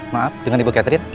maaf dengan ibu catherine